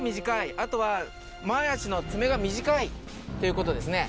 あとは前足の爪が短いということですね。